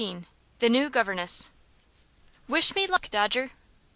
The New Governess. "Wish me luck, Dodger!"